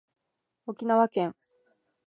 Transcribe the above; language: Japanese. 沖縄県